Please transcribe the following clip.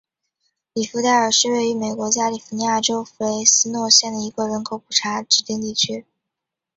里弗代尔是位于美国加利福尼亚州弗雷斯诺县的一个人口普查指定地区。